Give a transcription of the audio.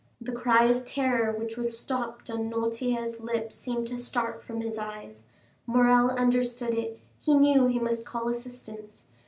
The cry of terror which was stopped on Noirtier's lips, seemed to start from his eyes. Morrel understood it; he knew he must call assistance.